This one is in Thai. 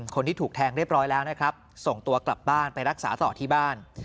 คนที่ถูกแทงเรียบร้อยแล้วนะครับส่งตัวกลับบ้านไปรักษาต่อที่บ้าน